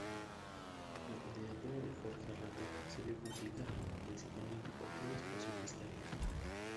La candidatura de Jorge Arrate se vio complicada, principalmente por temas presupuestarios.